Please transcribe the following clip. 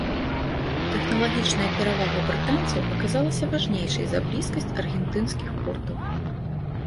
Тэхналагічная перавага брытанцаў аказалася важнейшай за блізкасць аргентынскіх портаў.